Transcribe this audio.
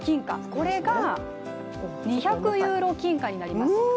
これが２００ユーロ金貨になります。